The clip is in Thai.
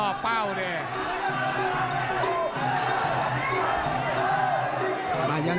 ลอบเป้าได้เอง